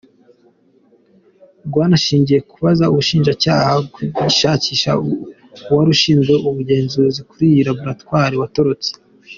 Rwanashingiye ku kuba Ubushinjacyaha bugishakisha uwari ushinzwe ubugenzuzi kuri iriya laboratwari watorotse.